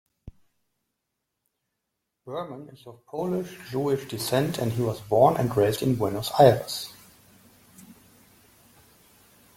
Burman is of Polish-Jewish descent, and he was born and raised in Buenos Aires.